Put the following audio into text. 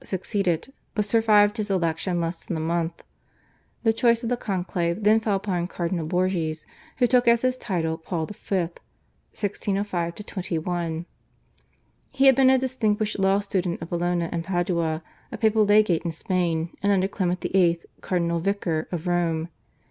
succeeded, but survived his election less than a month. The choice of the conclave then fell upon Cardinal Borghese who took as his title Paul V. (1605 21). He had been a distinguished law student of Bologna and Padua, a papal legate in Spain, and under Clement VIII. cardinal vicar of Rome.